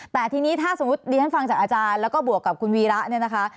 แต่ทีนี้ถ้าสมมุติดิฉันฟังจากอาจารย์แล้วก็บวกกับคุณวีระเนี่ยนะคะ